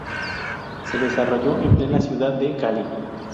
Se desarrolló en plena ciudad de Cali.